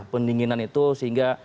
pendinginan itu sehingga